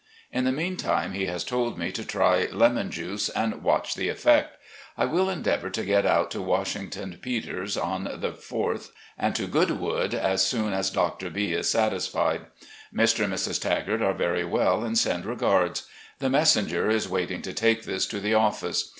In the meantime, he has told me to try lemon juice and watch the effect. I will endeavour to get out to Washington Peter's on the 4th and to Goodwood as soon as Dr. B is satisfied. Mr. and Mrs. Tagart are very well and send regards. The messenger is waiting to take this to the office.